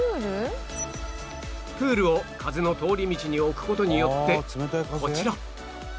プールを風の通り道に置く事によってこちら